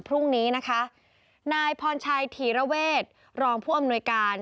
พรุ่งนี้นะคะนายพรชัยถีระเวทรองผู้อำนวยการ